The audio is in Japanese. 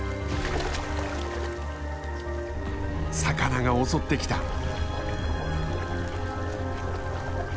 魚が襲ってきた。